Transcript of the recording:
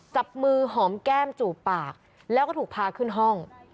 จับมือหอมแก้มจูบปากแล้วก็ถูกพาขึ้นห้อง